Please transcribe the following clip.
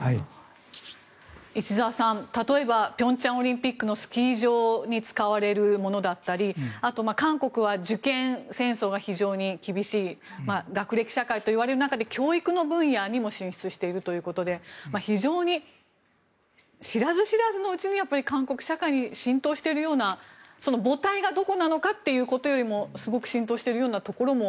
石澤さん、例えば平昌オリンピックのスキー場に使われるものだったりあとは韓国は受験戦争が非常に厳しい学歴社会といわれる中で教育の分野にも進出しているということで非常に知らず知らずのうちに韓国社会に浸透しているような、母体がどこなのかということよりもすごく浸透しているようなところも